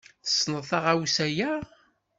Tessneḍ taɣawsa-ya?